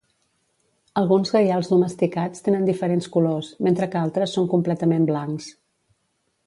Alguns gaials domesticats tenen diferents colors, mentre que altres són completament blancs.